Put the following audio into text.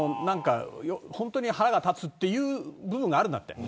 本当に腹が立つという部分があるんだって。